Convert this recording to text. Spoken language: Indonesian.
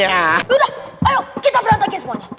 yaudah ayo kita berantakin semuanya